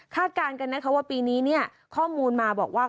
คาดการณ์กันนะคะว่าปีนี้ข้อมูลมาบอกว่า